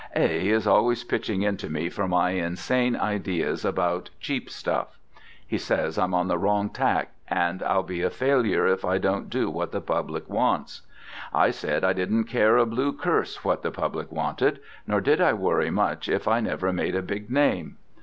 A——. is always pitching into me for my insane ideas about "cheap stuff." He says I'm on the wrong tack and I'll be a failure if I don't do what the public wants. I said I didn't care a blue curse what the public wanted, nor did I worry much if I never made a big name.